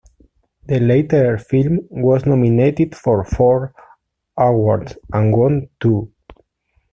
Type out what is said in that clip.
The latter film was nominated for four awards and won two.